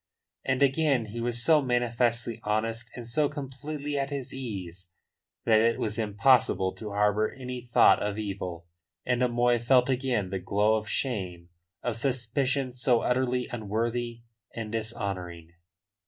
And again he was so manifestly honest and so completely at his ease that it was impossible to harbour any thought of evil, and O'Moy felt again the glow of shame of suspicions so utterly unworthy and dishonouring.